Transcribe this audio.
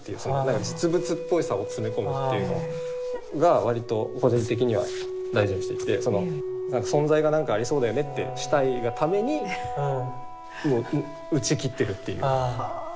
実物っぽさを詰め込むっていうのが割と個人的には大事にしていて「存在がなんかありそうだよね」ってしたいがために打ちきってるっていう。